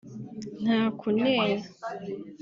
nta kunena”